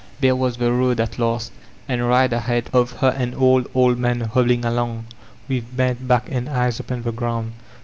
There was the road at last, and right ahead of her an old, old man hobbling along with bent back and eyes upon the ground.